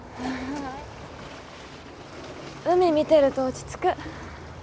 海見てると落ち着く。